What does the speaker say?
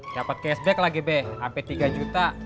dapet cashback lagi be hampir tiga juta